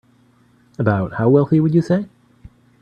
About how wealthy would you say?